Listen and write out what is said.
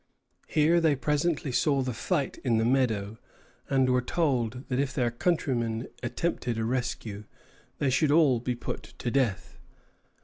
Here they presently saw the fight in the meadow, and were told that if their countrymen attempted a rescue, they should all be put to death.